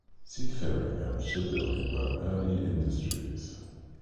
Seafaring and shipbuilding were early industries.